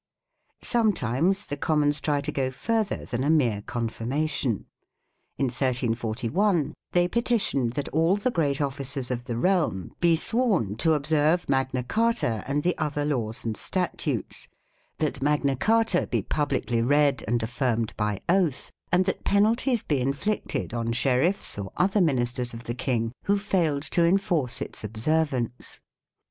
Sometimes the Commons try to go further than a mere confirmation. In 1341 they petitioned that all the great officers of the realm be sworn to observe Magna Carta and the other laws and statutes, 2 that Magna Carta be publicly read and affirmed by oath, and that penalties be inflicted on sheriffs or other ministers of the King who failed to enforce its observ ance.